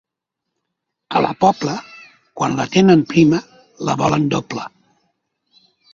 A la Pobla, quan la tenen prima, la volen doble.